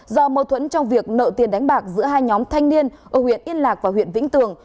do mâu thuẫn trong việc nợ tiền đánh bạc giữa hai nhóm thanh niên ở huyện yên lạc và huyện vĩnh tường